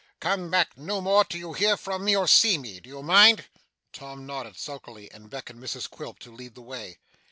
Come back no more till you hear from me or see me. Do you mind?' Tom nodded sulkily, and beckoned Mrs Quilp to lead the way.